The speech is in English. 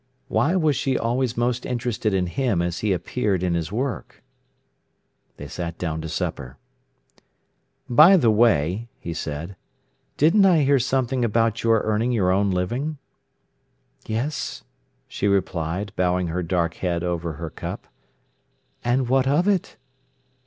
Why was she always most interested in him as he appeared in his work? They sat down to supper. "By the way," he said, "didn't I hear something about your earning your own living?" "Yes," she replied, bowing her dark head over her cup. "And what of it?"